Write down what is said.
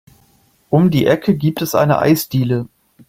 Um die Ecke gibt es eine Eisdiele.